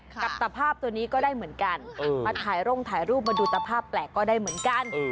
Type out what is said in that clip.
กับตะภาพตัวนี้ก็ได้เหมือนกันมาถ่ายร่มถ่ายรูปมาดูตภาพแปลกก็ได้เหมือนกัน